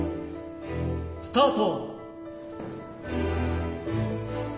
スタート。